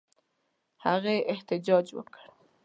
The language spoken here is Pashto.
هغې احتجاج وکړ.